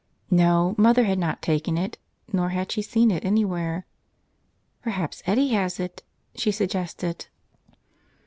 No, mother had not taken it, nor had she seen it anywhere. "Perhaps Eddie has it," she suggested.